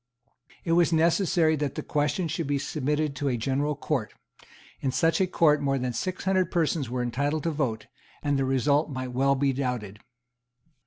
It was necessary that the question should be submitted to a General Court; in such a court more than six hundred persons were entitled to vote; and the result might well be doubted.